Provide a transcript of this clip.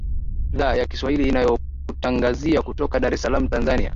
dhaa ya kiswahili inayokutangazia kutoka dar es salam tanzania